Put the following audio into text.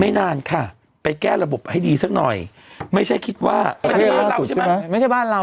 ไม่นานค่ะไปแก้ระบบให้ดีซักหน่อยไม่ใช่คิดว่าไม่ใช่บ้านเราใช่ไหม